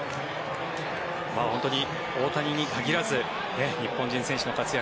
大谷に限らず日本人選手の活躍。